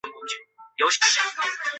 在机场找了一段时间